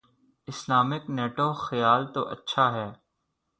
Islamic NATO: خیال تو اچھا ہے۔